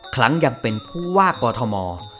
ครั้งยังเป็นผู้ว่ากอทม